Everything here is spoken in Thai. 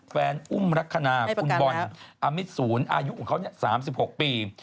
อุ้มลักษณะคุณบอลอามิตศูนย์อายุของเขา๓๖ปี